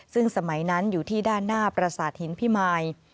ซึ่งสมัยนั้นอยู่ที่ด้านหน้าประสาทหินพิมาย